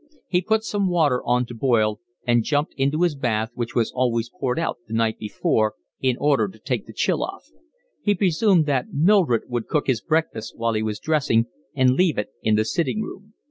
He put some water on to boil and jumped into his bath which was always poured out the night before in order to take the chill off. He presumed that Mildred would cook his breakfast while he was dressing and leave it in the sitting room.